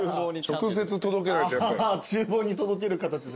厨房に届ける形で。